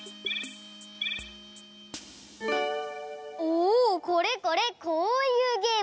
おおこれこれこういうゲーム。